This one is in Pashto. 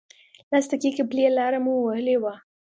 لس دقیقې پلی لاره مو وهلې وه.